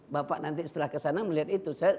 bapak nanti setelah kesana melihat itu